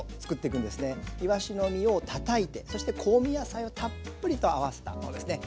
いわしの身をたたいてそして香味野菜をたっぷりと合わせたこれですね。